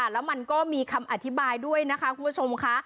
แล้วมันก็มีคำอธิบายด้วยนะคะคุณผู้ชมค่ะ